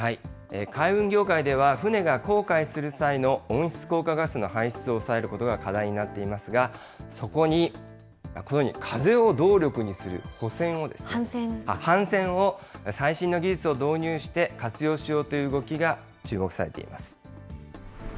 海運業界では、船が航海する際の、温室効果ガスの排出を抑えることが課題になっていますが、そこにこのように風を動力にする帆船を最新の技術を導入して活用しようという動きが注目されています。